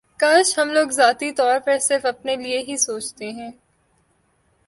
کاش ہم لوگ ذاتی طور پر صرف اپنے لیے ہی سوچتے ہیں